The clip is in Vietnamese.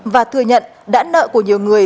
và thừa nhận đã nợ của nhiều người